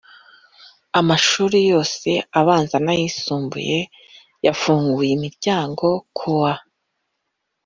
Amashuri yose abanza n ayisumbuye yafunguye imiryango ku wa